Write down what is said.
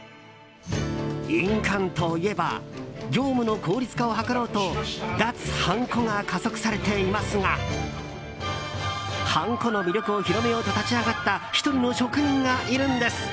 印鑑といえば業務の効率化を図ろうと脱はんこが加速されていますがはんこの魅力を広めようと立ち上がった１人の職人がいるんです。